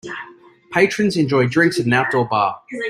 Patrons enjoy drinks at an outdoor bar.